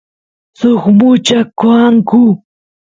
suk mucha qoanku